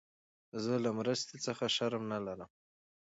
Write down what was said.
زه له مرستي څخه شرم نه لرم.